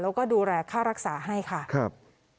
แล้วก็ดูแลค่ารักษาให้ค่ะครับ